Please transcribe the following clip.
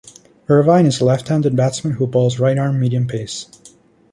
Ervine is a left-handed batsman who bowls right-arm medium pace.